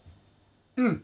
うん。